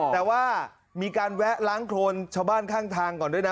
แต่ว่ามีการแวะล้างโครนชาวบ้านข้างทางก่อนด้วยนะ